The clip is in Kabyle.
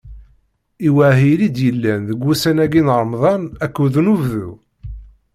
I wahil i d-yellan deg wussan-agi n Remḍan akked unebdu?